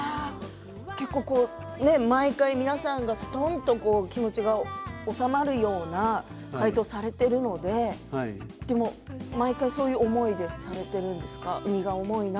結構、毎回皆さんがすとんと気持ちが収まるような回答をされているので毎回そういう思いでされているんですか？